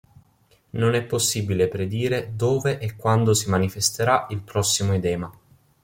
Non è possibile predire dove e quando si manifesterà il prossimo edema.